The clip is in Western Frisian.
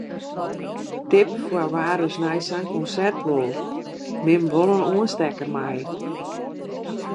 Tip foar wa’t ris nei sa’n konsert wol:: nim wol in oanstekker mei.